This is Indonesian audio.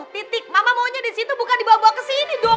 titik mama maunya di situ bukan dibawa bawa ke sini dong